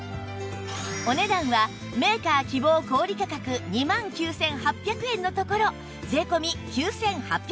お値段はメーカー希望小売価格２万９８００円のところ税込９８００円